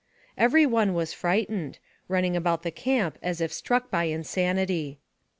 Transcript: Every one was frightened, running about the camp as if struck by insanity.